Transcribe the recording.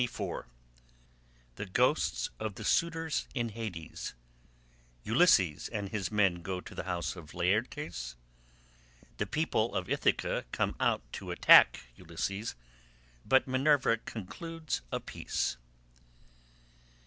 BOOK XXIV THE GHOSTS OF THE SUITORS IN HADES—ULYSSES AND HIS MEN GO TO THE HOUSE OF LAERTES—THE PEOPLE OF ITHACA COME OUT TO ATTACK ULYSSES, BUT MINERVA CONCLUDES A PEACE.